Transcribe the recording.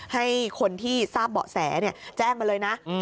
ให้คนที่ทราบเบาะแสแจ้งมาเลยนะ